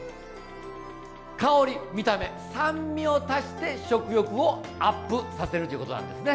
香り見た目酸味を足して食欲をアップさせるっちゅうことなんですね。